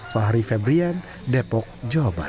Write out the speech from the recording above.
fahri febrian depok jawa barat